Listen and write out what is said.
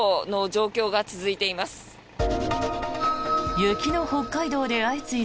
雪の北海道で相次いだ